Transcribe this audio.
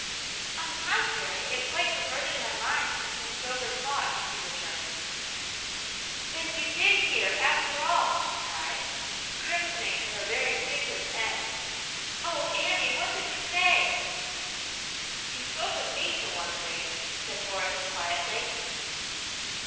" On the contrary, it quite diverted my mind from £ome sober thoughts," he returned. "Then you did hear, after all!" she cried, crimson ing to her very fingers' end. " Oh, Annie, what did we say!'* "You spoke of me, for one thing," said Horace, quietly.